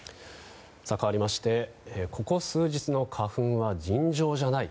かわりましてここ数日の花粉は尋常じゃない。